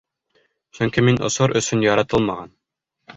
Сөнки мин осор өсөн яратылмаған.